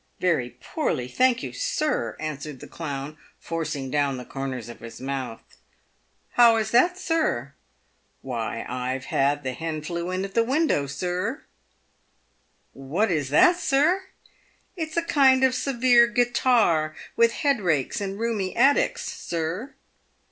"Very poorly, thank you, sir," answered the clown, forcing down the corners of his mouth. " How is that, sir ?"—" Why I've had the hen flew in at the window, sir." " What is that, sir?" — "It's a kind of severe guitar, with head rakes and roomy attics, sir."